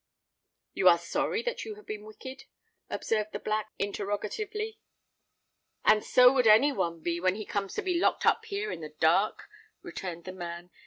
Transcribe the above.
"You are sorry that you have been wicked?" observed the Black, interrogatively. "And so would any one be when he comes to be locked up here in the dark," returned the man.